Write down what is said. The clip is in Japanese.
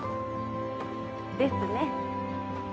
ですね。